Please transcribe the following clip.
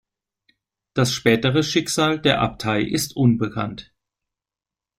Das spätere Schicksal der Abtei ist unbekannt.